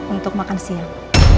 untuk makan siang